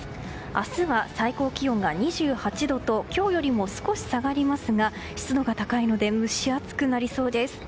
明日は最高気温が２８度と今日よりも少し下がりますが湿度が高いので蒸し暑くなりそうです。